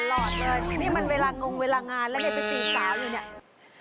ตลอดเลยนี่มันเวลางงเวลางานแล้วเนี่ยไปสี่สาวอยู่เนี่ย